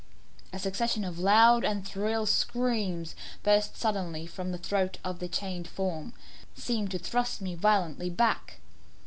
A succession of loud and shrill screams, bursting suddenly from the throat of the chained form, seemed to thrust me violently back.